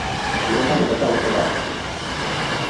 لوکاں نے بٹلا ہو کے واہ